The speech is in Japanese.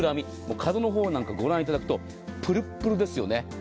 角の方なんかご覧いただくとプルンプルンですよね。